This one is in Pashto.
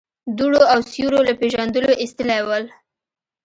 دوړو او سيورو له پېژندلو ايستلي ول.